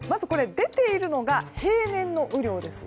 出ているのが平年の雨量です。